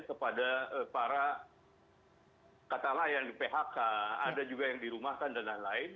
kepada para katalah yang phk ada juga yang di rumahkan dan lain lain